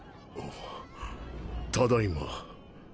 ただいま。